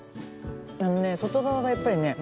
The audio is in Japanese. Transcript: あのね外側がやっぱりねあぶっ